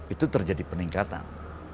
itu terjadi peningkatan